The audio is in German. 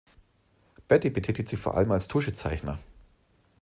Beatty betätigt sich vor allem als Tuschezeichner.